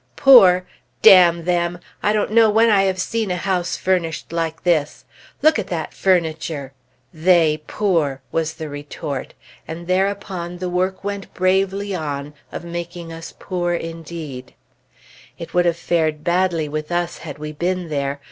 "Poor? Damn them! I don't know when I have seen a house furnished like this! Look at that furniture! They poor!" was the retort, and thereupon the work went bravely on, of making us poor, indeed. It would have fared badly with us had we been there.